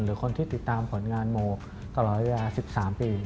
หรือคนที่ติดตามผลงานโมตลอดเวลา๑๓ปี